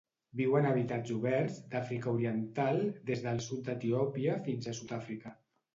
Viu en hàbitats oberts d'Àfrica Oriental, des del sud d'Etiòpia fins a Sud-àfrica.